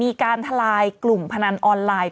อีบ้าตกโฆลไปอายก็อาย